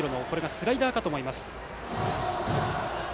スライダーかと思います。